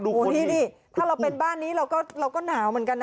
ดูคนโอ้โหนี่นี่ถ้าเราเป็นบ้านนี้เราก็เราก็หนาวเหมือนกันน่ะ